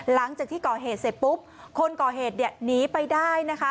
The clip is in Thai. หลังจากที่ก่อเหตุเสร็จปุ๊บคนก่อเหตุเนี่ยหนีไปได้นะคะ